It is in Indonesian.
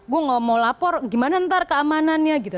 gue gak mau lapor gimana ntar keamanannya gitu